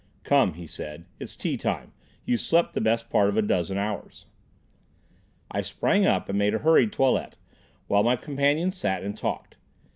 "Come," he said, "it's tea time. You've slept the best part of a dozen hours." I sprang up and made a hurried toilet, while my companion sat and talked.